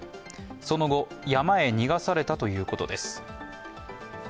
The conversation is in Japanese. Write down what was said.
その後、山へ逃がされたということです。